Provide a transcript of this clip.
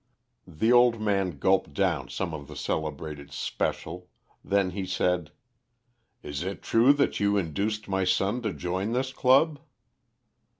The old man gulped down some of the celebrated "Special," then he said "Is it true that you induced my son to join this club?"